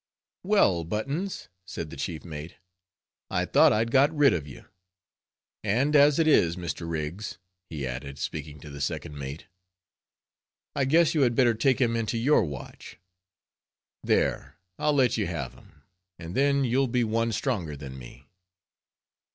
"Well, Buttons," said the chief mate, "I thought I'd got rid of you. And as it is, Mr. Rigs," he added, speaking to the second mate, "I guess you had better take him into your watch;—there, I'll let you have him, and then you'll be one stronger than me."